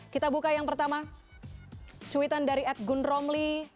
kita buka yang pertama cuitan dari edgun romli